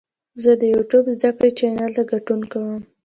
زه د یوټیوب زده کړې چینل ته ګډون کوم.